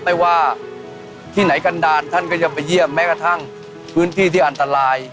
ไม่ว่าที่ไหนกันดาลท่านก็จะไปเยี่ยมแม้กระทั่งพื้นที่ที่อันตราย